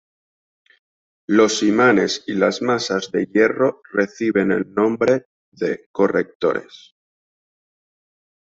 Los imanes y las masas de hierro reciben el nombre de "correctores".